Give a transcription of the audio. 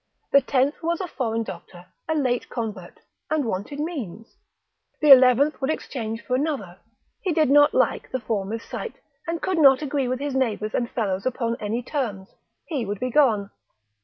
The tenth was a foreign doctor, a late convert, and wanted means. The eleventh would exchange for another, he did not like the former's site, could not agree with his neighbours and fellows upon any terms, he would be gone.